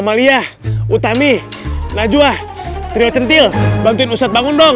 amalia utani najwa trio cantil bantuin ustaz bangun dong